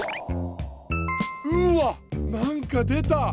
うわっなんかでた！